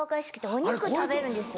お肉食べるんですよ。